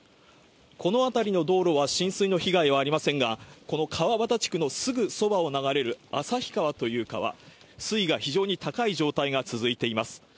この辺りの道路は、浸水の被害はありませんが、この川反地区のすぐそばを流れる旭川という川、水が非常に高い状態が続いています。